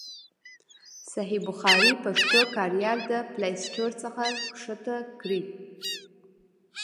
صحیح البخاري پښتو کاریال د پلای سټور څخه کښته کړئ.